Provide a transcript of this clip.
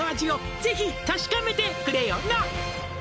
「是非確かめてくれよな」